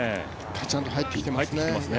ちゃんと入ってきていますね。